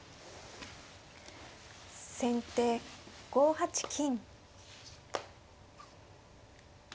先手５八金。